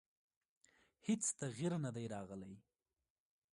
هېڅ تغییر نه دی راغلی.